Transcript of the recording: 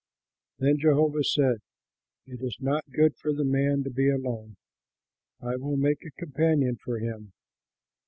Then Jehovah said, "It is not good for the man to be alone; I will make a companion for him."